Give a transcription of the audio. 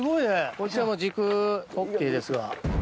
こっちのも軸ＯＫですわ。